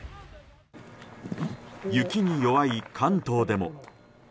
雪に弱い関東でも。